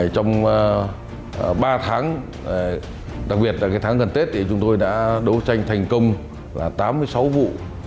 trong ba tháng đặc biệt là tháng gần tết chúng tôi đã đấu tranh thành công tám mươi sáu vụ